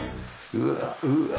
うわうわっ。